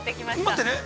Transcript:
◆待ってね。